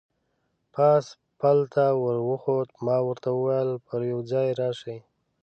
پاس پل ته ور وخوتو، ما ورته وویل: پر یوه ځای راشئ.